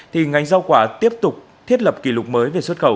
thì ngành giao quả tiếp tục thiết lập kỷ lục mới